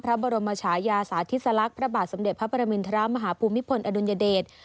พระบรมชายาสาธิสลักษณ์พระบาทสมเด็จพระปรมินทรมาฮภูมิพลอดุลยเดช